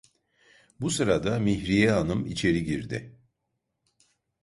Bu sırada Mihriye hanım içeri girdi.